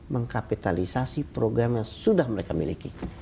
mengkapitalisasi program yang sudah mereka miliki